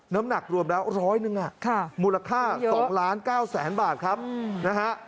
น้ำหนักรวมแล้ว๑๐๐นึงอ่ะมูลค่า๒ล้าน๙แสนบาทครับ